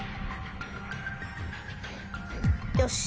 よし！